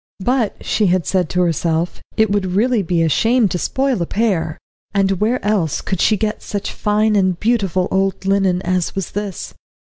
But she said to herself it would really be a shame to spoil a pair, and where else could she get such fine and beautiful old linen as was this?